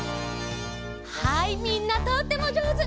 はいみんなとってもじょうず！